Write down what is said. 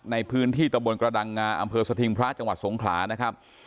ในพื้นที่ตะบนกระดังงาอำเภอสถิงพระจังหวัดสงขลานะครับ